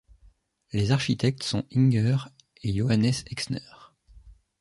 Les architectes sont Inger et Johannes Exner.